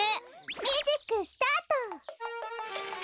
ミュージックスタート！